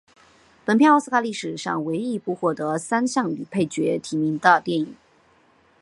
本片奥斯卡历史上唯一一部获得三项女配角提名的电影。